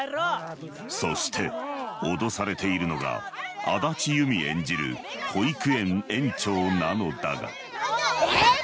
そして脅されているのが安達祐実演じる保育園園長なのだがええ